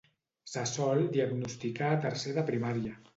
Se sol diagnosticar a tercer de primària.